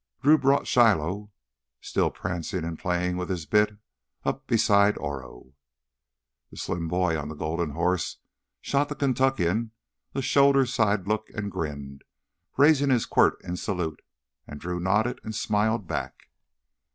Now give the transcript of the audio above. Drew brought Shiloh, still prancing and playing with his bit, up beside Oro. The slim boy on the golden horse shot the Kentuckian a shoulder side look and grinned, raising his quirt in salute as Drew nodded and smiled back.